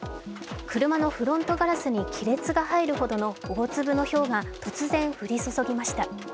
車のフロントガラスに亀裂が入るほどの大粒のひょうが突然、降り注ぎました。